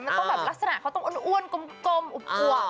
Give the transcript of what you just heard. มันต้องแบบลักษณะเขาต้องอ้วนกลมอุบกลัว